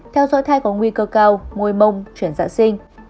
theo dõi thai có nguy cơ cao ngôi mông chuyển dạ sinh